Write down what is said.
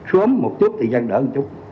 sớm một chút thì dân đỡ một chút